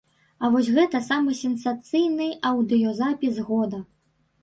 А вось гэта самы сенсацыйны аўдыёзапіс года.